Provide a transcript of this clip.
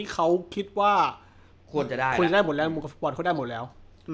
เค้าพิสูจน์ตัวเองมาแล้ว